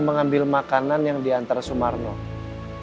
tengah dulu juga unaware gue di boxe